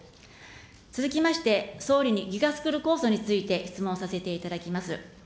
続きまして、総理にＧＩＧＡスクール構想について質問させていただきます。